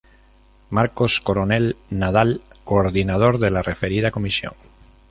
Marcos Coronel Nadal coordinador de la referida Comisión.